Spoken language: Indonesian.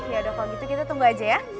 ya udah kalau gitu kita tunggu aja ya